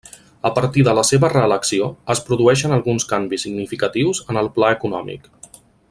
A partir de la seva reelecció, es produeixen alguns canvis significatius en el pla econòmic.